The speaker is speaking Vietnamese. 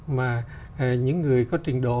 mà những người có trình độ